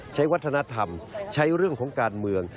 ใช้วัฒนธรรมใช้เรื่องของการเมือง